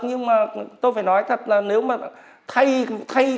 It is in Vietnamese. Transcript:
nhưng mà tôi phải nói thật là nếu mà thay cái chuyện